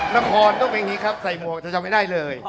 นครต้องเป็นอย่างนี้ครับใส่หมวกเธอจำไม่ได้เลย